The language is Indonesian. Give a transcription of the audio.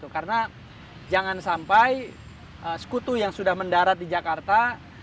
karena jangan sampai sekutu yang sudah mendarat di jakarta